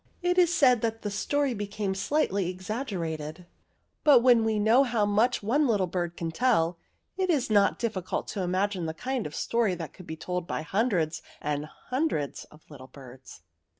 It is said that the story became slightly exaggerated; but when we know how much one little bird can tell, it is not difficult to imagine the kind of «tory that could be told by hundreds and hundreds of little birds.